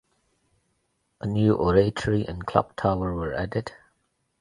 A new oratory and clock tower were added.